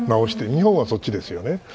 日本はそっちですよね。